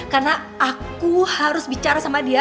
karena aku harus bicara sama dia